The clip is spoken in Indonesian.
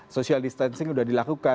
social distancing sudah dilakukan